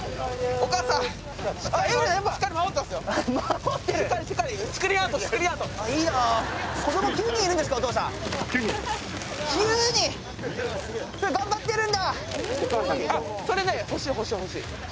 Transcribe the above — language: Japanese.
お母さん。